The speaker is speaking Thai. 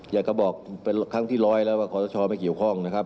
อยากจะบอกเป็นครั้งที่ร้อยแล้วว่าขอสชไม่เกี่ยวข้องนะครับ